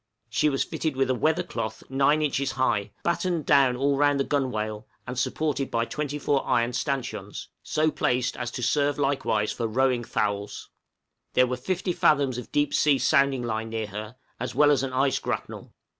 She was fitted with a weather cloth 9 inches high, battened down all round the gunwale, and supported by 24 iron stanchions, so placed as to serve likewise for rowing thowels. There were 50 fathoms of deep sea sounding line near her, as well as an ice grapnel.